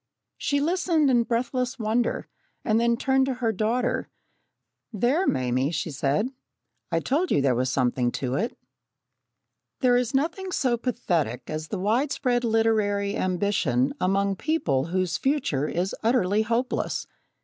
She listened in breathless wonder, and then turned to her daughter: "There, Mame," she said, "I told you there was something in it!" There is nothing so pathetic as the widespread literary ambition among people whose future is utterly hopeless.